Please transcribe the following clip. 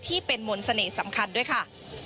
ที่เป็นมนต์เสน่ห์สำคัญด้วยค่ะ